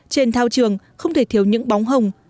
trên thao trường không thể thiếu những bóng hồng